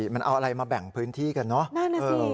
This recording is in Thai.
มันเอาอะไรมาแบ่งพื้นที่กันเนอะ